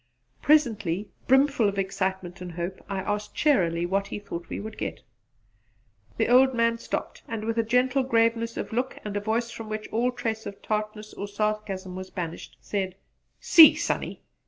Presently, brimful of excitement and hope, I asked cheerily what he thought we would get. The old man stopped and with a gentle graveness of look and a voice from which all trace of tartness or sarcasm was banished, said, "See, Sonny!